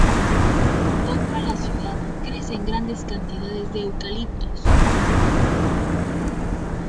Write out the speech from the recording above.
En torno a la ciudad crecen grandes cantidades de eucaliptos.